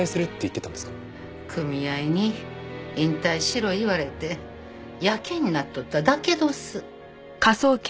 組合に引退しろ言われてやけになっとっただけどす。